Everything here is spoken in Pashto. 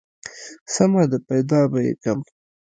سمه ده پيدا به يې کم.